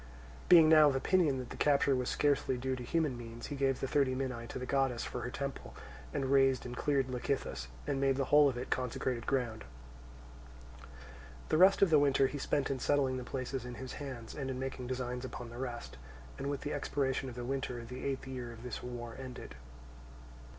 Being now of opinion that the capture was scarcely due to human means, he gave the thirty minae to the goddess for her temple, and razed and cleared Lecythus, and made the whole of it consecrated ground. The rest of the winter he spent in settling the places in his hands, and in making designs upon the rest; and with the expiration of the winter the eighth year of this war ended.